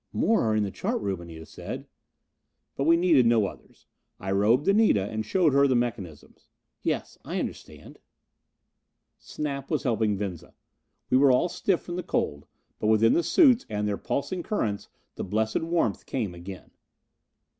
"More are in the chart room," Anita said. But we needed no others. I robed Anita, and showed her the mechanisms. "Yes. I understand." Snap was helping Venza. We were all stiff from the cold; but within the suits and their pulsing currents, the blessed warmth came again.